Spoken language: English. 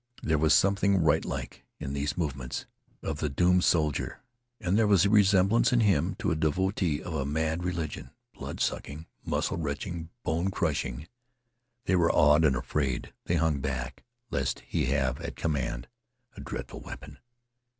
There was something rite like in these movements of the doomed soldier. And there was a resemblance in him to a devotee of a mad religion, blood sucking, muscle wrenching, bone crushing. They were awed and afraid. They hung back lest he have at command a dreadful weapon.